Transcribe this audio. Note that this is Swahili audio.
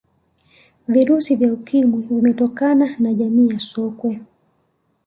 virusi vya ukimwi vimetokana na jamii ya sokwe